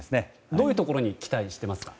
どういうところに期待していますか？